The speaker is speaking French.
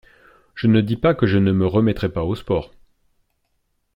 Je ne dis pas que je ne me remettrai pas au sport.